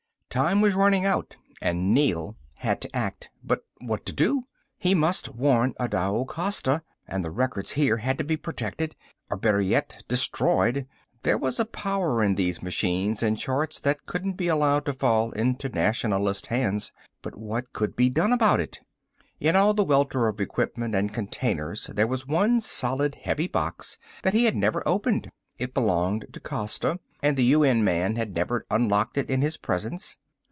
Time was running out and Neel had to act. But what to do? He must warn Adao Costa. And the records here had to be protected. Or better yet destroyed. There was a power in these machines and charts that couldn't be allowed to fall into nationalist hands. But what could be done about it? In all the welter of equipment and containers, there was one solid, heavy box that he had never opened. It belonged to Costa, and the UN man had never unlocked it in his presence.